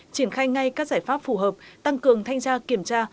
triển khai ngay các giải pháp phù hợp tăng cường thanh tra kiểm tra